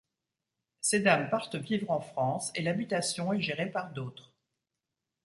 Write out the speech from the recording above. Ces dames partent vivre en France, et l’habitation est gérée par d’autres.